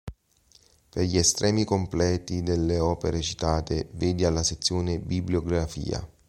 Per gli estremi completi delle opere citate vedi alla sezione "bibliografia".